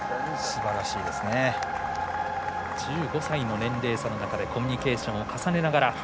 １５歳の年齢差の中でコミュニケーションを重ねながら。